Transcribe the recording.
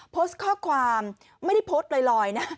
โพสต์ข้อความไม่ได้โพสต์ลอยนะ